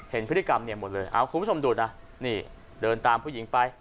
เห็นพฤติกรรมเนี่ยหมดเลยเอาคุณผู้ชมดูนะนี่เดินตามผู้หญิงไป